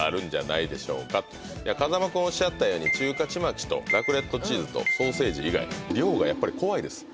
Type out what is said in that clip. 風間君おっしゃったように中華ちまきとラクレットチーズとソーセージ以外。